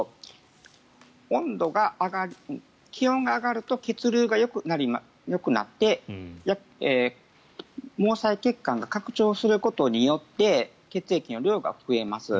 気温が上がると血流がよくなって毛細血管が拡張することによって血液の量が増えます。